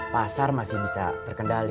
pasar masih bisa terkendali